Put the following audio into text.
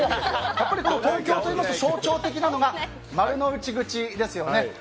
やっぱり東京駅といいますと象徴的なのが丸の内口ですよね。